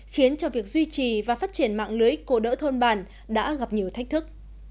khiến cho việc duy trì và phát triển mạng lưới cô đỡ thôn bản đã gặp nhiều thách thức